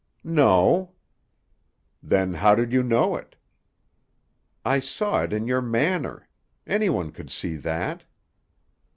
"No." "Then how did you know it?" "I saw it in your manner. Anyone could see that."